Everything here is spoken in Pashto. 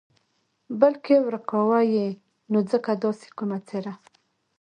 بلکې ورک کاوه یې نو ځکه داسې کومه څېره.